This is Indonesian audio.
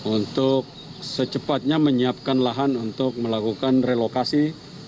untuk secepatnya menyiapkan lahan untuk melakukan relokasi